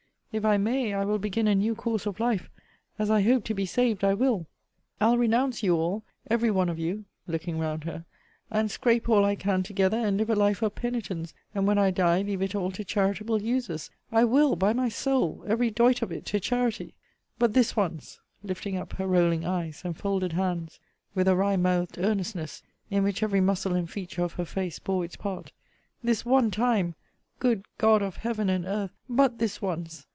If I may, I will begin a new course of life: as I hope to be saved, I will. I'll renounce you all every one of you, [looking round her,] and scrape all I can together, and live a life of penitence; and when I die, leave it all to charitable uses I will, by my soul every doit of it to charity but this once, lifting up her rolling eyes, and folded hands, (with a wry mouthed earnestness, in which every muscle and feature of her face bore its part,) this one time good God of Heaven and earth, but this once!